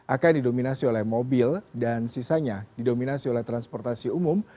akan didominasi oleh mobil dan sisanya didominasi oleh transportasi umum